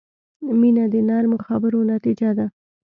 • مینه د نرمو خبرو نتیجه ده.